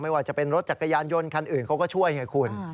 ว่าจะเป็นรถจักรยานยนต์คันอื่นเขาก็ช่วยไงคุณ